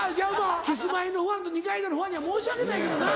キスマイのファンと二階堂のファンには申し訳ないけどな。